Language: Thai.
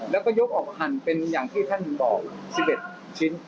แล้วก็ยกออกหั่นเป็นอย่างที่ท่านบอก๑๑ชิ้น